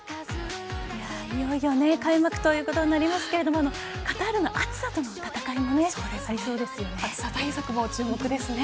いよいよ開幕ということになりますがカタールの暑さとの戦いもありそうですよね。